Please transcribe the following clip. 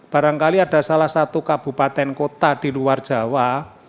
barangkali ada salah satu kabupaten kota di luar jawa